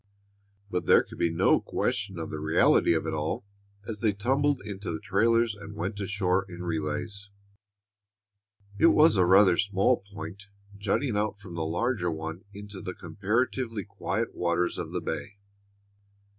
But there could be no question of the reality of it all as they tumbled into the trailers and went ashore in relays. It was a rather small point, jutting out from the larger one into the comparatively quiet waters of the bay.